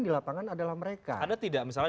di lapangan adalah mereka ada tidak misalnya